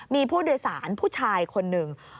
มีผู้โดยสารผู้ชายคนหนึ่ง